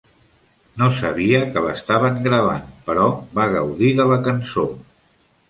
No sabia que l'estaven gravant, però va gaudir de la cançó.